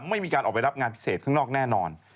ไม่มีการออกไปรับงานพิเศษข้างนอกแน่นอน